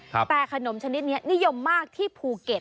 แต่ขนมชนิดนี้นิยมมากที่ภูเก็ต